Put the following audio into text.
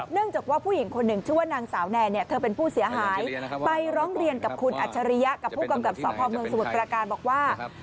จากว่าผู้หญิงคนหนึ่งชื่อว่านางสาวแนนเนี่ยเธอเป็นผู้เสียหายไปร้องเรียนกับคุณอัจฉริยะกับผู้กำกับสพเมืองสมุทรประการบอกว่า